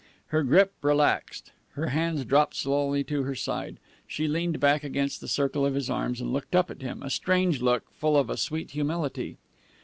Her grip relaxed. Her hands dropped slowly to her side. She leaned back against the circle of his arms, and looked up at him a strange look, full of a sweet humility.